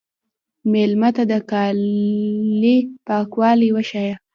مېلمه ته د کالي پاکوالی وښیه.